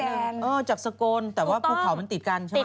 ข้ามจับสกรแต่ว่าภูเขามันติดกันใช่ไหมติดกันตรงต้อง